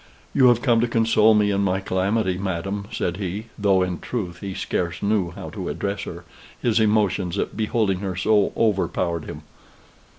"You have come to console me in my calamity, madam," said he (though, in truth, he scarce knew how to address her, his emotions at beholding her so overpowered him).